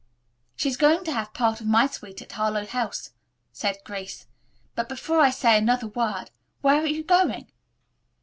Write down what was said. "She is going to have part of my suite at Harlowe House," said Grace. "But, before I say another word, where are you going?"